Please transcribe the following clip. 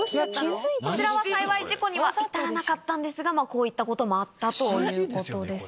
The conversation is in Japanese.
こちらは幸い事故には至らなかったんですがこういったこともあったということです。